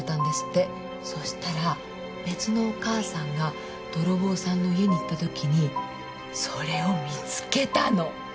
そしたら別のお母さんが泥棒さんの家に行ったときにそれを見つけたの。